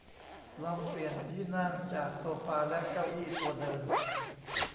ลองเปลี่ยนที่นั่งจากโซฟาและเก้าอี้ตัวเดิม